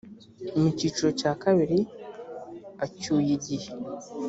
mu cyiciro cya kabiri acyuye igihe